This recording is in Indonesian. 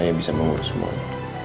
saya bisa mengurus mobil